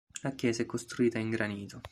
La chiesa è costruita in granito.